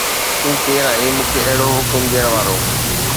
تون ڪير آهين مون کي اهڙو حڪم ڏيڻ وارو؟